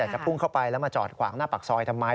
จะพุ่งเข้าไปแล้วมาจอดขวางหน้าปากซอยทำไม